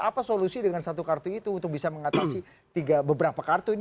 apa solusi dengan satu kartu itu untuk bisa mengatasi beberapa kartu ini